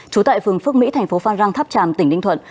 trú tại phường phước mỹ thành phố phan rang tháp tràm tỉnh ninh thuận